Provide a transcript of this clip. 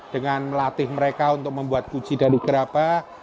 dengan melatih mereka untuk membuat kuci dari gerabah